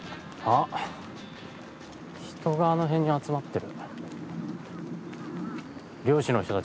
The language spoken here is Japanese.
あっ人があの辺に集まってる。